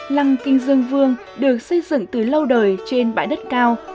lăng kính dương vương được xây dựng từ lâu đời trên bãi đất cao